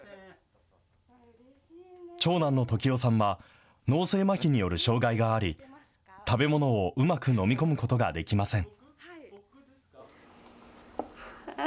長男の時央さんは脳性まひによる障害があり、食べ物をうまく飲み込むことができません。